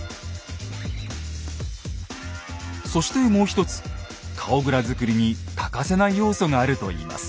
そしてもう一つ顔グラ作りに欠かせない要素があるといいます。